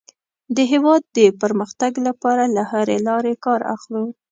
د هېواد د پرمختګ لپاره له هرې لارې کار اخلو.